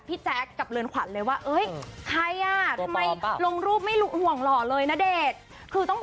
พี่แจ๊คกับเรือนขวัญเลยว่าอึกไอ้อย่าปุ้ยลองรูปไม่ลนห่องหล่อเลยนาเดตขึ้น